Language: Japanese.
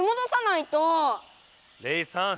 レイさん。